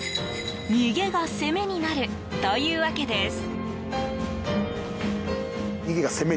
逃げが攻めになるというわけです。